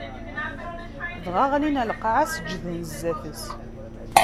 Dɣa ɣlin ɣer lqaɛa, seǧǧden zdat-s.